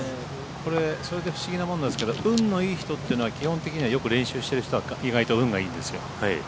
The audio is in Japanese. これ不思議なものなんですけど運のいい人というのは基本的にはよく練習している人のほうが意外と運がいいんですよ。